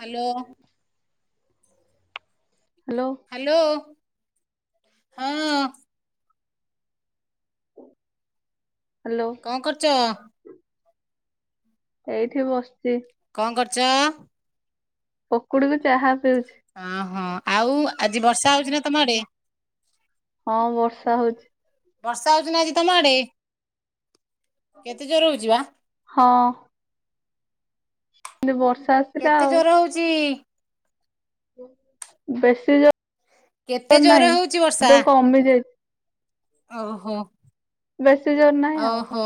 Hello hello. Hello ହଁ। Hello. କଣ କରୁଛ? ଏଇଠି ବସିଛି। କଣ କରୁଛ? ପକୁଡିକୁ ଚାହା ପିଉ ଓହୋ ଆଉ ଆଜି ବର୍ଷା ହୋ ଲଉଛି ନା ତମ ଆଡେ? ହଁ ବର୍ଷା ହଉଛି। ବର୍ଷା ହଉଛି ନା ଆଜି ତମ ଆଡେ, କେତେ ଜୋର ହଉଛି ବା? ହଁ। ଏନ୍ତୀ ବର୍ଷା ଆସିଲା କେତେ ଆଉ ଜୋରେ ହେଉଛି? ବେଶୀ ଜ [inaudible] କେତେ ରେ ଜୋର ନାହିଁ, ହଉଛି ବର୍ଷା ଏବେ କମି ଯାଇଛି। ଓହୋ ବେଶୀ ଜୋର ନାହିଁ ଆଉ ଓହୋ।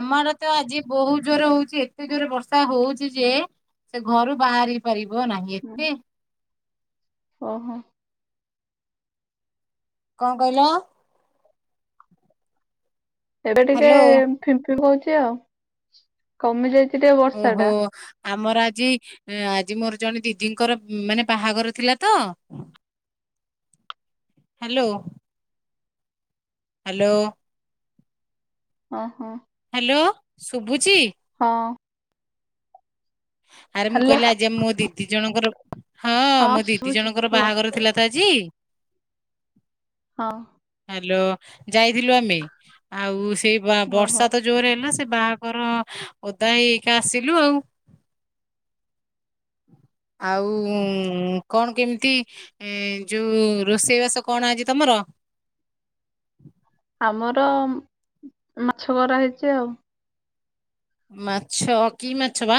ଆମର ତ ଆଜି ବହୁତ ଜୋର ହଉଛି ଏତେ ଜୋରରେ ବର୍ଷା ହଉଛି ଯେ ସେ ଘରୁ ବାହାରି ପାରିବ ନାହିଁ ହୁଁ, ଏତେ ଓହୋ। କଣ କହିଲ? ଏବେ ଟିକେ ହ୍ୟାଲୋ ଫିମ୍ପି ହଉଛି ଆଉ, କମିଲେ ଟିକେ ବର୍ଷା ଓହୋ। ଟା ଆମର ଆଜି ଆଜି ମୋର ଜଣେ ଦିଦିଙ୍କର ମାନେ ବାହାଘର ଥିଲା ତ [inaudible] ହ୍ୟାଲୋ। ହ୍ୟାଲୋ। ହଁ ହଁ। ହ୍ୟାଲୋ ଶୁଭୁଚି? ହଁ। ଆରେ ମୁଁ ହ୍ୟାଲୋ କହିଲି ଆଜି ଆ ମୋ ଦିଦି ଜଣଙ୍କର ହଁ ମୋ ଦିଦି ଶୁଭୁଛି ଜଣଙ୍କର କୁହ ବାହାଘର ଥିଲା ତ ଆଜି ଜି ହଁ। ହ୍ୟାଲୋ ଯାଇଥିଲୁ ଆମେ, ଆଉ ସେଇ ଓହୋ ବର୍ଷା ତ ଜୋରେ ହେଲା ସେ ବାହାଘର ଓଦା ହେଇକା ଆସିଲୁ ଆଉ। ଆଉ କଣ କେମିତି ଏ ଯୋଉ ରୋଷେଇବାସ କଣ ଆଜି ତମର? ଆମର ମାଛ କରା ହେଇଛି ଆଉ। ମାଛ କି ମାଛ ବା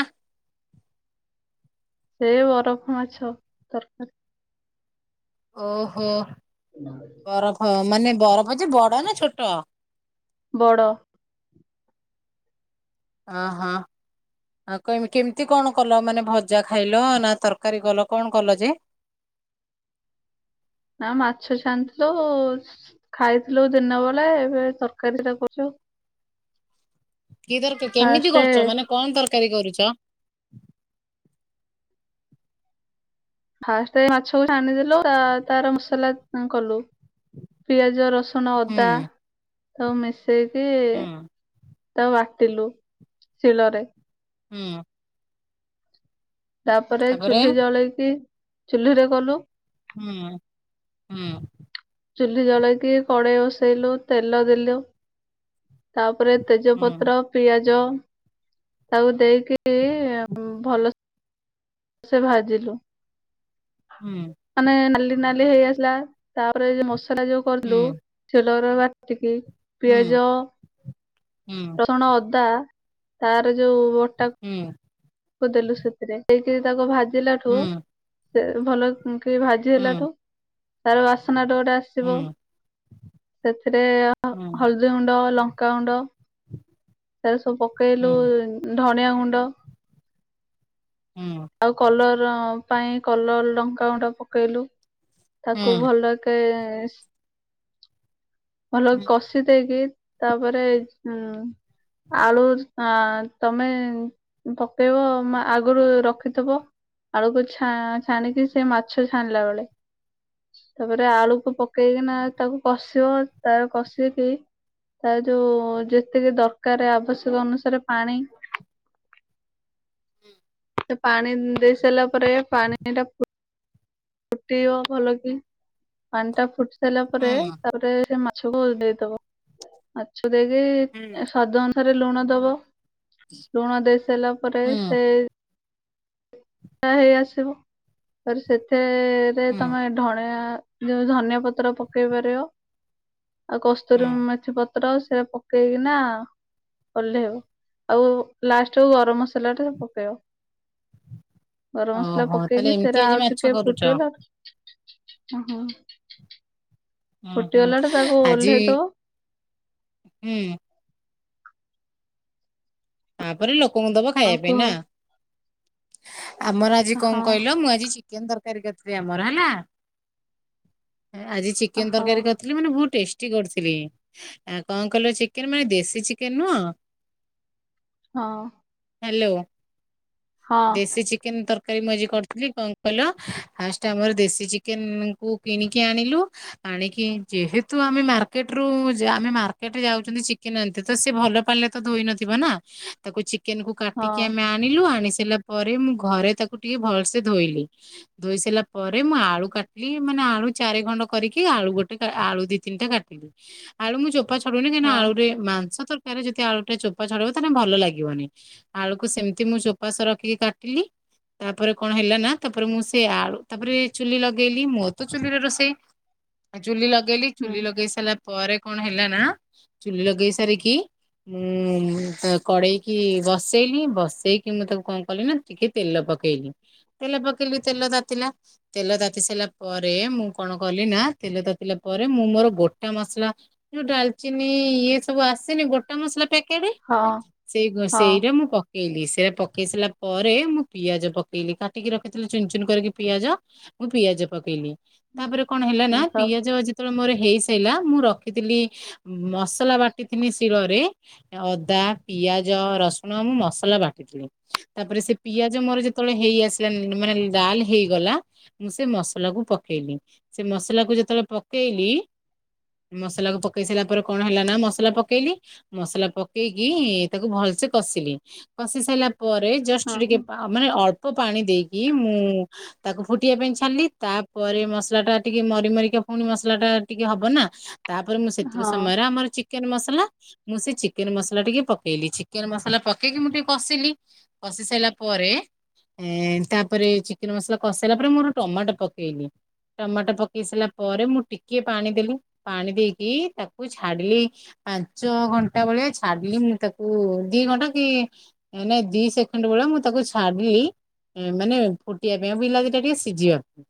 ସେ ବରଫ ମାଛ। ଓହୋ। [inaudible] ବରଫ ମାନେ ବରଫ ଯେ ବଡ ନା ଛୋଟ? ବଡ଼। ହ ହଁ। ଆଉ କେମିତି କଣ କଲ ମାନେ ଭଜା ଖାଇଲ ନା ତରକାରୀ କଲ କଣ କଲ ଯେ? ନା ମାଛ ଛାଣିଥିଲୁ ଖାଇଥିଲୁ ଦିନ ବେଳେ ଏବେ ତରକାରୀଟା କରିଚୁ। କି ତରକାର କେମିତି ଫାଷ୍ଟେ କରୁଛ ମାନେ କଣ ତରକାରୀ କରୁଛ? ଫାଷ୍ଟ ମାଛକୁ ଛାଣୀ ଦେଲୁ ତା ତାର ମସଲା କଲୁ। ପିଆଜ ରସୁଣ ହୁଁ ଅଦା ସବୁ ମିଶେଇକି ହୁଁ ତାକୁ ବାଟିଲୁ ଶିଳରେ। ହୁଁ। ତାପରେ ଚୁ୍ଲି ଜଳେଇକି ଚୁଲିରେ କଲୁ ହୁଁ ହୁଁ। ଚୁଲି ଜଳେଇକି କଡ଼େଇ ବସେଇଲୁ ତେଲ ଦେଲୁ ତାପରେ ହୁଁ ତେଜପତ୍ର ପିଆଜ ତାକୁ ଦେଇକି ଭଲ ସେ ଭାଜିଲୁ। ହୁଁ ମାନେ ନାଲି ନାଲି ହେଇ ଆସିଲା ତାପରେ ମସଲା ଯୋଉ କଲୁ ହୁଁ ସିଲରେ ବାଟିକି ହୁଁ ପିଆଜ ହୁଁ ରସୁଣ ଅଦା ତାର ଯୋଉ ବଟାକୁ ହୁଁ। ଦେଲୁ ସେଥିରେ ଦେଇକିରି ତାକୁ ଭାଜିଲାଠୁ ସେ ଭଲ କେ ଭାଜି ହେଲାଠୁ ହୁଁ ତାର ବାସନାଠୁ ଗୋଟେ ଆସେ ହୁଁ ହୁଁ ହୁଁ ହୁଁ ଆସିବ ସେଥିରେ ହୁଁ ହଳଦୀ ଗୁଣ୍ଡ ଲଙ୍କାଗୁଣ୍ଡ ସେରା ସବୁ ପକେଇଲୁ ଧଣିଆ ଗୁଣ୍ଡ ହୁଁ। ଆଉ କଲର ପାଇଁ କଲର ଲଙ୍କା ଗୁଣ୍ଡା ପକେଇଲୁ ହୁଁ ତାକୁ ହୁଁ ଭଲକି ଏ ଭଲକି କଷି ଶି ଦେଇକି ତାପରେ ଉ ଆଳୁ ଆଁ ତମେ ପକେଇବ ଆଗରୁ ରଖିଥିବ ଆଳୁକୁ ଛା ଛାଣିକି ସେମାଛ ଛାଣିଲା ବେଳେ ତାପରେ ଆଳୁକୁ ପକେଇକିନା ତାକୁ କଷିବ ତାର କଷିକି ତାର ଯୋଉ ଯେତିକି ଦର୍ କାରେ ଆବଶ୍ୟକ ଅନୁସାରେ ପାଣି ହୁଁ। ସେପାଣି ଦେଇ ସାରିଲା ପରେ ପାଣିଟା ଫୁ ଫୁଟିବ ଭଲକି, ପାଣିଟା ଫୁଟି ସାରିଲା ପରେ ତା ତାପରେ ସେମାଛକୁ ଦେଇଦବ ମାଛ ଦେଇଦେଇକି ସ୍ବାଦ ଥରେ ଲୁଣ ଦବ, ଲୁଣ ଦେଇ ସାରିଲା ପରେ ହୁଁ ହୁଁ ସେ ଆ ହେଇ ଆସିବ ଫେରେ ସେଥିରେ ହୁଁ ତମେ ଧଣିଆ ଯଉ ଧନିଆ ପତ୍ର ପକେଇ ପାରିବ, ଆଉ ହୁଁ କସ୍ତୁରି ମଥି ପ ପତ୍ର ସେ ପକେଇକିନା ଓଲ୍ହେଇବ, ଆଉ ଲାଷ୍ଟକୁ ଗରମ୍ ମସଲାଟା ପକେଇବ। ଗରମ ମସଲା ଓହୋ ତାହେଲେ ପକେଇକି ଏମିତି ସେରା ଆଜି ଆଉ ମାଛ ଟିକେ କରୁଛ ଫୁଟିଗଲା ଓହୋ। ହୁଁ ହୁଁ ଫୁଟିଗଲାଠୁ ତାକୁ ଆଜି ଓହ୍ଲେଇ [inaudible] ଦବ ହୁଁ। ତାପରେ ଲୋକଙ୍କୁ ଦବ ଖାଇବା ଆଉ ପାଇଁ କୁହ ନା ଆମର ଆଜି କଣ ହଁ କହିଲ ମୁଁ ଆଜି କେମିତି ତରକାରୀ କରିଥିଲେ ଆମର ହେଲା ଆଜି ଚିକେନ୍ ହଉ ତରକାରୀ ଥିଲି ମାନେ ବହୁତ୍ ଟେଷ୍ଟି କରିଥିଲି ଆକଣ କିଇଲେ ଚିକେନ୍, ମାନେ ଦେଶୀ ଚିକେନ ନୁହଁ ହଁ। ହାଲୋ ହଁ ଦେସି ଚିକେନ୍ ତର କାରି କରିଥିଲି କଣ କହିଲ, ଫାଷ୍ଟ ଆମର ଦେଶୀ ଚିକେନକୁ କିଣିକି ଆଣିଲୁ। ଆଣିକି, ଯେହେତୁ ଆମେ ମାର୍କେଟରୁ ଆମେ ମାର୍କେଟରେ ଯାଉଛନ୍ତି ଚିକେନ୍ ଆଣିତେ ତସେ ଭଲ ପାଣିରେ ତଧୋଇ ନଥିବେନା ତାକୁ ଚିକେନକୁ ହଁ କାଟିକି ଆମେ ଆଣିଲୁ, ଆଣି ସାରିଲା ପରେ ମୁଁ ଘରେ ତାକୁ ଟିକେ ଭଲସେ ଧୋଇଲି। ଧୋଇ ସାରିଲା ପରେ, ମୁଁ ଆଳୁ କାଟିଲି ମାନେ ଆଳୁ ଚାରି ଖଣ୍ଡ କରିକି ଆଳୁ ଗୋଟେ ଆଳୁ ଦି ତିନିଟା କାଟିଲି। ଆଳୁ ମୁଁ ଚୋପା ଛଡଉନି କାଇଁକିନା ହଁ ଆଳୁରେ ମାଂସ ତରକାରୀରେ ଯଦି ଆଳୁଟା ଚୋପା ଛଡେଇବ [unintelligible] ଭଲ ଲାଗିବନି ଆଳୁକୁ ସେମିତି ମୁଁ ଚୋପା ସହ ରଖିକି କାଟିଲି। ତାପରେ କଣ ହେଲା ନା ତାପରେ ମୁଁ ସେ ଆଳୁ ତାପରେ ଚୁଲି ଲଗେଇଲି ମୁଁ ତ ଚୁଲିରେ ରୋଷେଇ [inaudible] ଚୁଲି ଲଗେଇଲି ହୁଁ ଚୁଲି ଲଗେଇ ସାରିଲା ପରେ କଣ ହେଲା ନା ଚୁଲି ଲଗେଇ ସାରିକି ମୁଁ କଡେଇକି ବସେଇଲି ବସେଇକି ମୁଁ ତାକୁ କଣ କଲି ନା ଟିକେ ତେଲ ପକେଇଲି ତେଲ ପକେଇଲି ତେଲ ତାତିଲା ତେଲ ତାତି ସାରିଲା ପରେ, ମୁଁ କଣ କଲି ନା ତେଲ ତାତିଲା ପରେ ମୁଁ ମୋର ଗୋଟା ମସଲା ଯଉ ଡାଲଚିନି ଇଏ ସବୁ ଆସେନି ଗୋଟା ମସଲା ପ୍ୟାକେଟେ ହଁ ସେଇ ଗ- ହଁ ସେଇଟା ମୁଁ ପ ପକେଇଲି ସେଟା ପକେଇ ସାରିଲା ପରେ ମୁଁ ପିଆଜ ପକେଇଲି କାଟିକି ରଖିଥିଲି ଚୁନ୍ ଚୁନ୍ କରିକି ପିଆଜ ମୁଁ ପିଆଜ ପକେଇଲି ତା ପରେ କଣ ହେଲା ନା ହଁ ହଁ ପିଆଜ ଯେ ଯେତେବେଳେ ମୋର ହେଇ ସାରିଲା ମୁଁ ରଖିଥିଲି ମସଲା ବାଟିଥିଲି ଶିଳରେ ଅଦା, ପିଆଜ, ରସୁଣ ମୁଁ ମସଲା ବାଟିଥିଲି। ତାପରେ ସେ ପିଆଜ ମୋର ଯେତେବେଳେ ହେଇ ଆସିଲାଣି ମାନେ ଲାଲ୍ ହେଇଗଲା ମୁଁ ସେ ମସଲା କୁ ପକେଇଲି ସେ ମସଲା କୁ ଯେତେବେଳେ ପକେଇଲି ମସଲା କୁ ପକେଇ ସାରିଲା ପରେ କଣ ହେଲା ନା ମସଲା ପକେଇଲି ମସଲା ପକେଇକି ତାକୁ ଭଲସେ କଷିଲି କଷି ସାଇଲା ପରେ ଜଷ୍ଟ୍ ଟିକେ ପା ଅ- ମାନେ ଅଳ୍ପ ପାଣି ଦେଇକି ମୁଁ ତାକୁ ଫୁଟିବା ପାଇଁ ଛାଡ଼ିଲି ତାପରେ ମସଲା ଟା ଟିକେ ମରି ମରିକା ପୁଣି ମସଲା ଟା ଟିକେ ହବ ନା ତାପରେ ମୁଁ ସେତିକି ହଁ ସମୟରେ ଆମର ଚିକେନ୍ ମସଲା ମୁଁ ସେ ଚିକେନ୍ ମସଲା ଟିକେ ପ ପକେଇଲି ଚିକେନ୍ ମସଲା ପକେଇକି ମୁଁ ଟିକେ କଷିଲି କଷି ସାଇଲା ପରେ ଏଁ-ତାପରେ ଚିକେନେ ମସଲା କଷି ସାଇଲା ପରେ ମୁଁ ଗୋଟେ ଟମାଟୋ ପକେଇଲି। ଟମାଟୋ ପକେଇ ସାରିଲା ପରେ ମୁଁ ଟିକିଏ ପାଣି ଦେଲି ପାଣି ଦେଇକି ତାକୁ ଛାଡିଲି ପାଞ୍ଚ ଘଣ୍ଟା ବେଳେ ଛାଡିଲି ମୁଁ ତାକୁ ଦି ଘଣ୍ଟା କି ନେଇଁ ଦି ସେଖେଣ୍ଡ୍ ଭଳିଆ ମୁଁ ତାକୁ ଛାଡିଲି ମାନେ ଫୁଟିବା ପାଇଁ ଆଉ ବିଲାତି ଟା ଟିକେ ସିଜିବା ପାଇଁ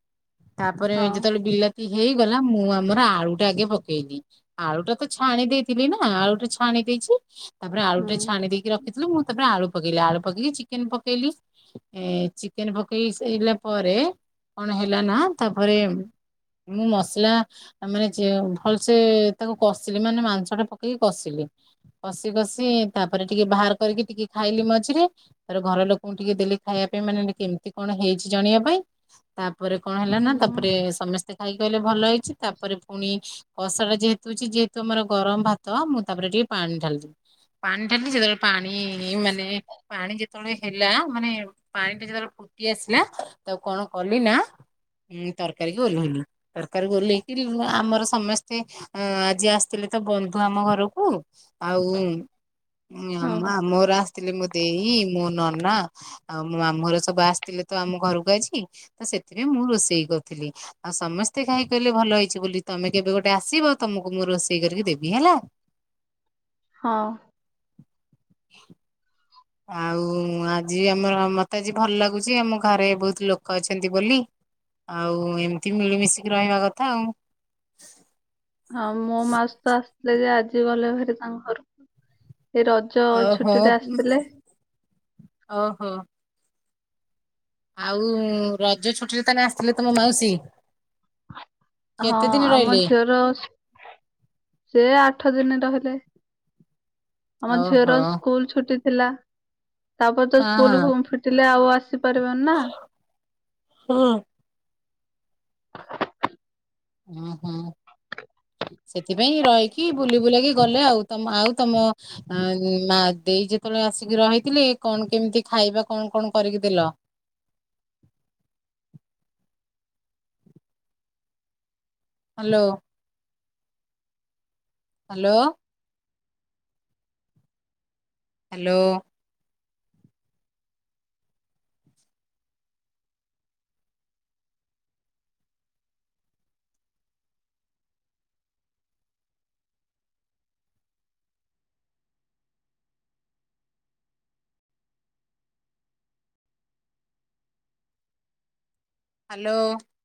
ତାପରେ ଯେତେବେଳେ ହଁ ବିଲାତି ତି ହେଇଗଲା ମୁଁ ଆମର ଆଳୁ ଟା ଆଗେ ପକେଇଲି। ଆଳୁ ଟା ତ ଛାଣି ଦେଇଥିଲି ନା‌ ଆଳୁଟା ଛାଣି ଦେଇଚି ତାପରେ ଆଳୁଟେ ଛାଣି ଦେଇକି ରଖ୍ ଖିଥିଲି ମୁଁ ତାପରେ ଆଳୁ ପକେଇଲି ଆଳୁ ପକେଇକି ଚିକେନ୍ ପକେଇଲି ଏଁ ଚିକେନ୍ ପକେଇ ସାଇଲା ପରେ କଣ ହେଲା ନା ତାପରେ ମୁଁ ମସଲା ମାନେ ଯେ ଭଲ୍ ସେ ତାକୁ କଷିଲି ମାନେ ମାଂସଟା ପକେଇକି କଷିଲି। କଷି କଷି ତାପରେ ଟିକେ ବାହାର କରିକି ଟିକେ ଖାଇଲି ମଝିରେ ତାପରେ ଘର ଲୋକଙ୍କୁ ଟିକେ ଦେଲି ଖାଇବା ପାଇଁ ମାନେ କେମିତି କଣ ହେଇଚି ଜାଣିବା ପାଇଁ। ତାପରେ କଣ ହେଲା ହୁଁ ନା ତାପରେ ସମସ୍ତେ ଖାଇକି କହିଲେ ଭଲ ହେଇଚି ତାପରେ ପୁଣି କଷା ଟା ଯେହେତୁ ଅଛି ଯେହେତୁ ଆମର ଗରମ୍ ଭାତ ମୁଁ ତାପରେ ଟିକେ ପାଣି ଢାଳିଦେଲି। ପାଣି ଢ଼ାଳିଲି ସେତେବେଳେ ପାଣି ମାନେ ପାଣି ଯେ ଯେତେବେଳେ ହେଲା ମାନେ ପାଣି ଟା ଯେତେବେଳେ ଫୁଟି ଆସିଲା ତାକୁ କଣ କଲି ନା ଉଁ- ତରକାରୀ କି ଓହ୍ଲେଇଲି ତରକାରୀକୁ ଓହ୍ଲେଇ କିରି ଆମର ସମସ୍ତେ ଅଁ- ଆଜି ଆସିଥିଲେ ତ ବନ୍ଧୁ ଆମ ଘରୁକୁ ଆଉ ହଁ ଆ- ମୋର ଆସିଥିଲେ ମୋ ଦେଇ ମୋ ନନା ଆଉ ମୋ ମାମୁଁ ଘର ସବୁ ଆସିଥିଲେ ତ ଆମ ଘରକୁ ଆଜି ତ ସେଥିପାଇଁ ମୁଁ ରୋଷେଇ କରୁଥିଲି। ଆଉ ସମସ୍ତେ ଖାଇକି କହିଲେ ଭଲ ହେଇଚି ବୋଲି ତମେ କେବେ ଗୋଟେ ଆସିବ ତମକୁ ମୁଁ ରୋଷେଇ କରିକି ଦେବି ହେଲା। ହଁ। ଆଉ ଆଜି ଆମର ମତେ ଆଜି ଭଲ ଲାଗୁଛି ଆମ ଘରେ ବହୁତ ଲୋକ ଅଛନ୍ତି ବୋଲି। ଆଉ ଏମିତି ମିଳିମିଶିକି ରହିବା କଥା ଆଉ। ହଁ ମୋ ମାଉସି ତ ଆସିଥିଲେ ଯେ ଆଜି ଗଲେ ଭେରି ତାଙ୍କ ଘରକୁ ସେଇ ର ଜ ଛୁଟି ରେ ଆସିଥିଲେ। ଓ ହୋ। ଆଉ ରଜ ଛୁଟିରେ ତାନେ ଆସିଥିଲେ ତମ ମାଉସୀ? କେତେ ଦିନ ରହିଲେ? ର ସେ ଆଠ ଦିନ ରହିଲେ, ଆମ ଝିଅର ଓହୋ ସ୍କୁଲ ଛୁଟି ଥିଲା ତାପରେ ତ ହଁ ହଁ ସ୍କୁଲ [unintelligible] ଫିଟିଲେ ଆଉ ଆସିପାରିବନି ନା! ହୁଁ। ଉଁ ହୁଁ। ସେଥିପାଇଁ ରହିକି ବୁଲି ବୁଲାକି ଗଲେ ଆଉ ତମ ଆଉ ତମ ଆ ମା ଦେଇ ଯେତେବେଳେ ଆସିକି ରହିଥିଲେ କଣ କେମିତି ଖାଇବା କଣ କଣ କରିକି ଦେଲ? ହ୍ୟାଲୋ। ହ୍ୟାଲୋ। ହ୍ୟାଲୋ। ହ୍ୟାଲୋ।